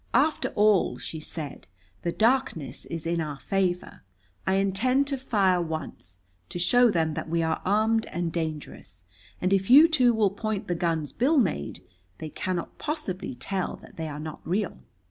"After all," she said, "the darkness is in our favor. I intend to fire once, to show them that we are armed and dangerous. And if you two will point the guns Bill made, they cannot possibly tell that they are not real."